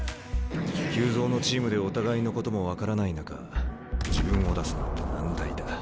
急造のチームでお互いのことも分からない中自分を出すなんて難題だ。